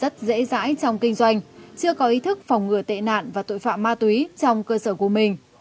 trong kinh doanh chưa có ý thức phòng ngừa tệ nạn và tội phạm ma túy trong cơ sở của mình